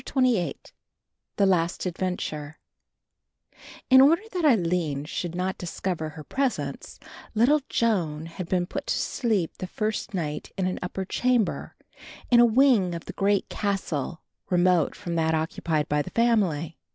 CHAPTER XXVIII THE LAST ADVENTURE In order that Aline should not discover her presence, little Joan had been put to sleep the first night in an upper chamber, in a wing of the great castle remote from that occupied by the family.